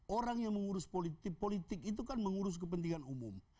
orang yang mengurus politik politik itu kan mengurus kepentingan umum